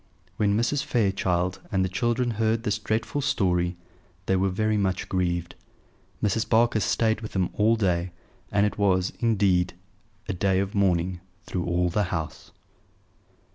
When Mrs. Fairchild and the children heard this dreadful story they were very much grieved. Mrs. Barker stayed with them all day; and it was, indeed, a day of mourning through all the house.